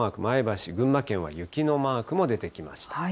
前橋、群馬県は雪のマークも出てきました。